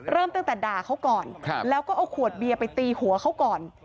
เริ่มตั้งแต่ด่าเขาก่อนแล้วก็เอาขวดเบียร์ไปตีหัวเขาก่อน